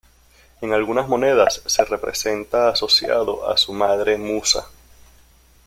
En algunas monedas se representa asociado a su madre Musa.